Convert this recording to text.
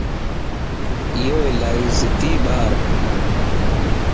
ايو الائي ضدي ٻارَ